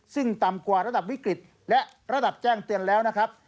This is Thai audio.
ซึ่งต่ำกว่าระดับวิกฤตและระดับแจ้งเตือนแล้วนะครับ